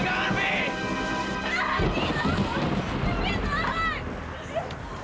jadi sini saja